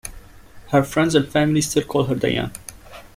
Her friends and family still call her "Diane".